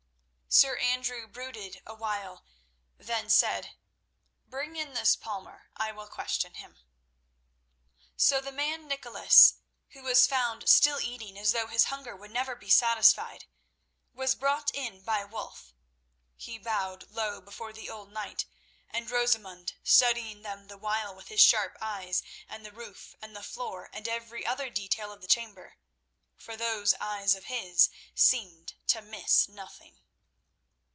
Sir Andrew brooded a while, then said: "Bring in this palmer. I will question him." So the man Nicholas, who was found still eating as though his hunger would never be satisfied, was brought in by Wulf. He bowed low before the old knight and Rosamund, studying them the while with his sharp eyes, and the roof and the floor, and every other detail of the chamber. For those eyes of his seemed to miss nothing.